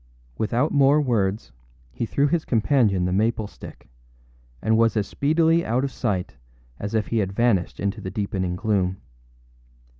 â Without more words, he threw his companion the maple stick, and was as speedily out of sight as if he had vanished into the deepening gloom.